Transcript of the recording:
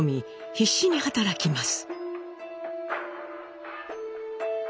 必死に働きます。